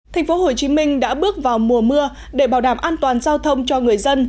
thành phố hồ chí minh đã bước vào mùa mưa để bảo đảm an toàn giao thông cho người dân